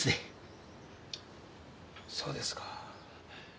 そうですか。